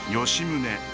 吉宗